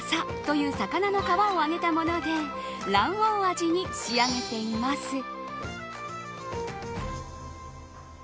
バサという魚の皮を揚げたもので卵黄味に仕上げています。